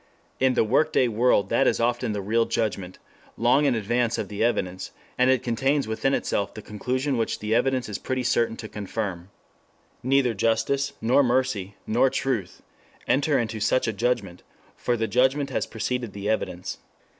In the workaday world that is often the real judgment, long in advance of the evidence, and it contains within itself the conclusion which the evidence is pretty certain to confirm. Neither justice, nor mercy, nor truth, enter into such a judgment, for the judgment has preceded the evidence.